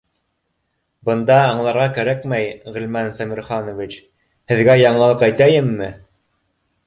— Бында аңларға кәрәкмәй, Ғилман Сәмерханович, һеҙ гә яңылыҡ әйтәйемме?